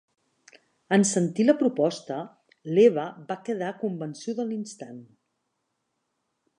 En sentir la proposta, l'Eva va quedar convençuda a l'instant.